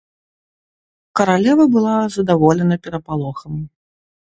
Каралева была задаволена перапалохам.